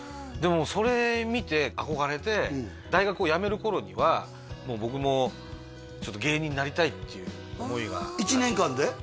もうそれ見て憧れて大学をやめる頃にはもう僕もちょっと芸人になりたいっていう思いが１年間で？